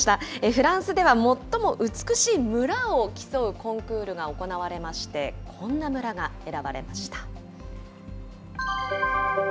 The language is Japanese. フランスでは、最も美しい村を競うコンクールが行われまして、こんな村が選ばれました。